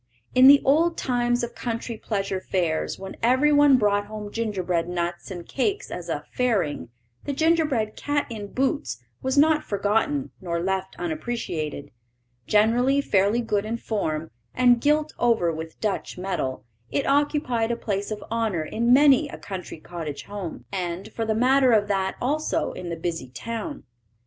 In the old times of country pleasure fairs, when every one brought home gingerbread nuts and cakes as "a fairing," the gingerbread "cat in boots" was not forgotten nor left unappreciated; generally fairly good in form, and gilt over with Dutch metal, it occupied a place of honour in many a country cottage home, and, for the matter of that, also in the busy town.